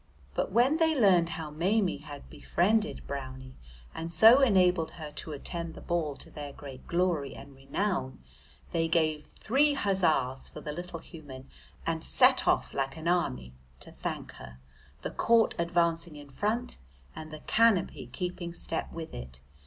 But when they learned how Maimie had befriended Brownie and so enabled her to attend the ball to their great glory and renown, they gave three huzzas for the little human, and set off, like an army, to thank her, the court advancing in front and the canopy keeping step with it.